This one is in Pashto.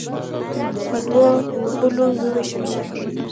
په دوو ډلو ووېشل شي.